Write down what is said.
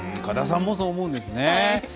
岡田さんもそう思うんですね。